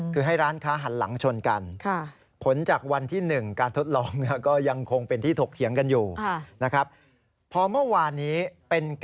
คือให้ร้านค้าหันหลังชนกัน